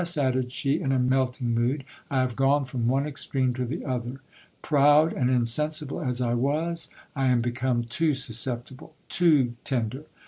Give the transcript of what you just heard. added she, in a melting mood, I have gone from one extreme to the other. Proud and insensible as I was, I am become too sus ceptible, too tender.